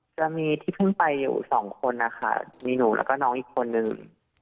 จะมีที่เพิ่งไปอยู่สองคนนะคะมีหนูแล้วก็น้องอีกคนนึง